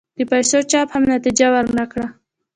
د پیسو چاپ هم نتیجه ور نه کړه.